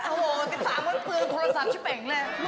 ๑๓คนเปลืองโทรศัพท์ฉันแปลงเลย